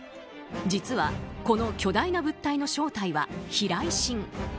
実はこの巨大な物体の正体は避雷針。